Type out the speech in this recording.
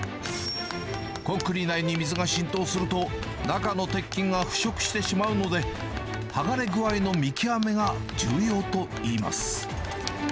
コンクリ内に水が浸透すると、中の鉄筋が腐食してしまうので、剥がれ具合の見極めが重要といいます。